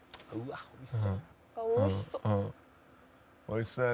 あっおいしそう。